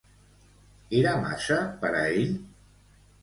Era massa per a ell?